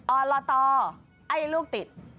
ออนลอตอไอลูกติด